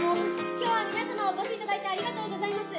今日は皆様お越し頂いてありがとうございます。